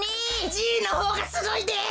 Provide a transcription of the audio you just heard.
じいのほうがすごいです。